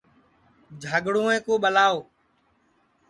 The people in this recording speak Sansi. جھاگڑوویں کُو ٻلاؤ